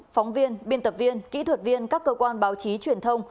phóng viên biên tập viên kỹ thuật viên các cơ quan báo chí truyền thông